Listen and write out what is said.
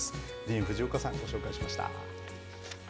ディーン・フジオカさん、ご紹介しました。